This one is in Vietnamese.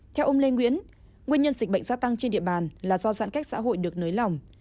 theo ông lê nguyễn nguyên nhân dịch bệnh gia tăng trên địa bàn là do giãn cách xã hội được nới lỏng